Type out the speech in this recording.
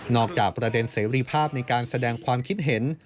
จากประเด็นเสรีภาพในการแสดงความคิดเห็น